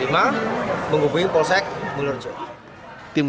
tim gegana berimob pula jawa timur